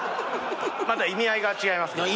また意味合いが違います。